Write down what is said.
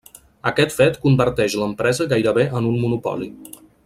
Aquest fet converteix l'empresa gairebé en un monopoli.